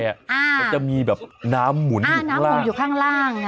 มันจะมีแบบน้ำหมุนอยู่ข้างล่าง